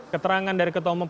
keterangan dari ketua membangun